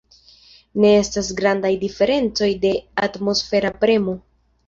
Ne estas grandaj diferencoj de atmosfera premo.